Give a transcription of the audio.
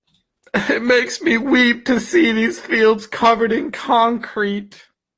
It makes me weep to see these fields covered in concrete.